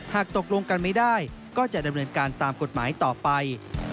ตกลงกันไม่ได้ก็จะดำเนินการตามกฎหมายต่อไป